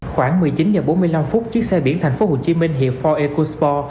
khoảng một mươi chín h bốn mươi năm chiếc xe biển tp hcm hiệp bốn e cuspo